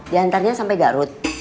dianternya sampai garut